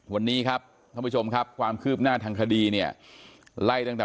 วันนี้ครับท่านผู้ชมครับความคืบหน้าทางคดีเนี่ยไล่ตั้งแต่